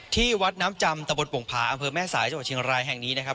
ที่วัดน้ำจำตะบนโป่งผาอำเภอแม่สายจังหวัดเชียงรายแห่งนี้นะครับ